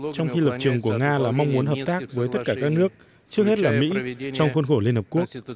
trong khi lập trường của nga là mong muốn hợp tác với tất cả các nước trước hết là mỹ trong khuôn khổ liên hợp quốc